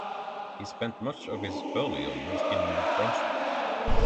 He spent much of his earlier years in New Brunswick.